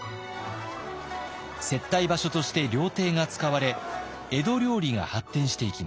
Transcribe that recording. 接待場所として料亭が使われ江戸料理が発展していきます。